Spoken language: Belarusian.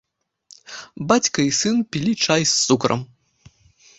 Бацька і сын пілі чай з цукрам.